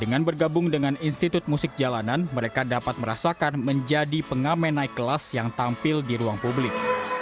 dan bergabung dengan institut musik jalanan mereka dapat merasakan menjadi pengamen naik kelas yang tampil di ruang publik